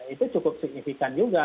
itu cukup signifikan juga